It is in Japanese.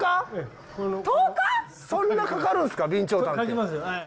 そんなかかるんすか備長炭って。